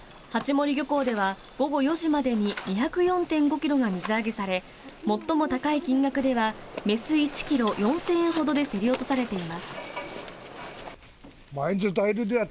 八森漁港では午後４時までに２０４．５ｋｇが水揚げされ最も高い金額ではメス１ｋｇ４０００円ほどで競り落とされています。